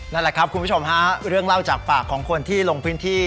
นั่นแหละครับคุณผู้ชมฮะเรื่องเล่าจากปากของคนที่ลงพื้นที่